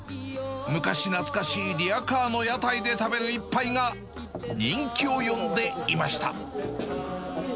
昔懐かしいリヤカーの屋台で食べる一杯が、人気を呼んでいました。